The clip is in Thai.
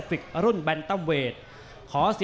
แล้วกลับมาติดตามกันต่อนะครับ